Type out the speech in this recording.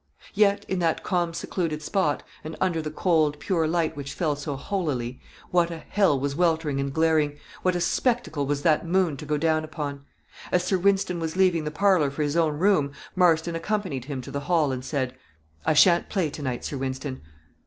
Yet, in that calm secluded spot, and under the cold, pure light which fell so holily, what a hell was weltering and glaring! what a spectacle was that moon to go down upon! As Sir Wynston was leaving the parlor for his own room, Marston accompanied him to the hall, and said "I shan't play tonight, Sir Wynston."